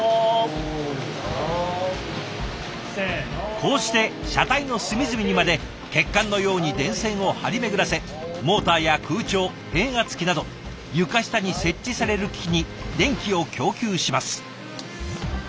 こうして車体の隅々にまで血管のように電線を張り巡らせモーターや空調変圧器など床下に設置される機器に電気を供給します。